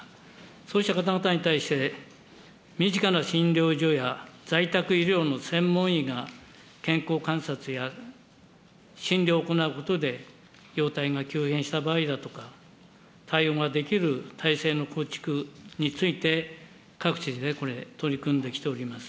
そうした方々に対して、身近な診療所や在宅医療の専門医が健康観察や診療を行うことで、容体が急変した場合だとか、対応ができる体制の構築について、各地でこれ、取り組んできております。